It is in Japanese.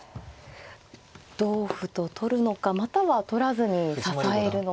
同歩と取るのかまたは取らずに支えるのか。